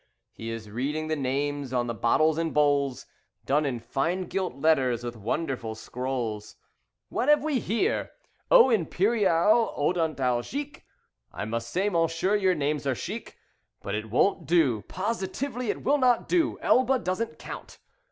He is reading the names on the bottles and bowls, Done in fine gilt letters with wonderful scrolls. "What have we here? 'Eau Imperial Odontalgique.' I must say, mon cher, your names are chic. But it won't do, positively it will not do. Elba doesn't count.